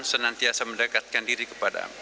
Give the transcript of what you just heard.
senantiasa mendekatkan diri kepada mu